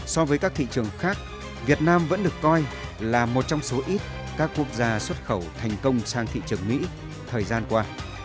so với các thị trường khác việt nam vẫn được coi là một trong số ít các quốc gia xuất khẩu thành công sang thị trường mỹ thời gian qua